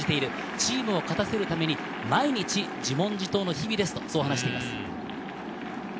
チームを勝たせるために毎日自問自答の日々ですと話しています。